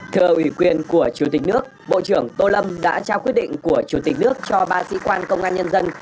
thờ ủy quyền của chủ tịch nước bộ trưởng tô lâm đã trao quyết định của chủ tịch nước cho ba sĩ quan công an nhân dân